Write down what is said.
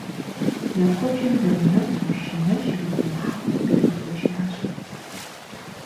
Я куэбжэм зэрынэсу, шынэжри, дэмыхьэфу къигъэзэжащ.